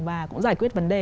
và cũng giải quyết vấn đề